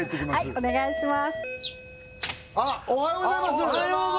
お願いします